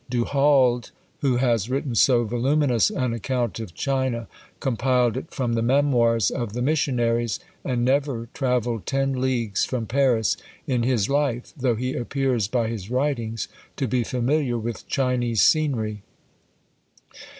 Du Halde, who has written so voluminous an account of China, compiled it from the Memoirs of the Missionaries, and never travelled ten leagues from Paris in his life, though he appears, by his writings, to be familiar with Chinese scenery.